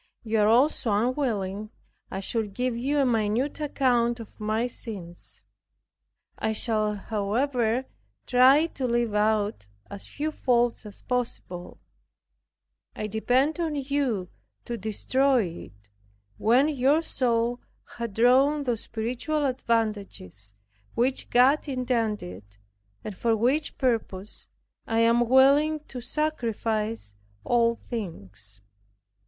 You are also unwilling I should give you a minute account of my sins. I shall, however, try to leave out as few faults as possible. I depend on you to destroy it, when your soul hath drawn those spiritual advantages which God intended, and for which purpose I am willing to sacrifice all things.